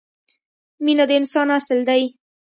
مینه د انسان اصل دی.